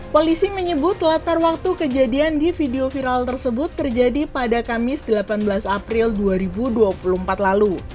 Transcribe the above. polisi menyebut latar waktu kejadian di video viral tersebut terjadi pada kamis delapan belas april dua ribu dua puluh empat lalu